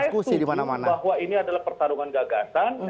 jadi saya saya sungguh bahwa ini adalah pertarungan gagasan